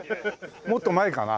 もっと前かな？